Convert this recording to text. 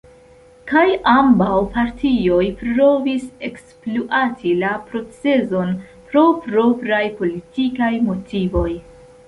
Kaj ambaŭ partioj provis ekspluati la procezon pro propraj politikaj motivoj.